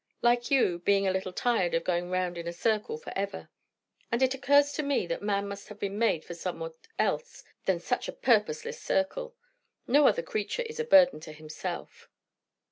Like you, being a little tired of going round in a circle for ever. And it occurs to me that man must have been made for somewhat else than such a purposeless circle. No other creature is a burden to himself."